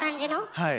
はい。